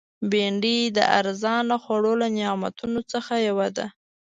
بېنډۍ د ارزانه خوړو له نعمتونو یوه ده